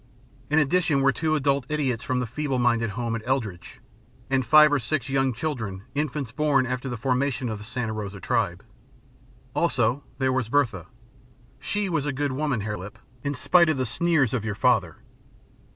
In addition were two adult idiots from the feeble minded home at Eldredge, and five or six young children and infants born after the formation of the Santa Rosa Tribe. Also, there was Bertha. She was a good woman, Hare Lip, in spite of the sneers of your father.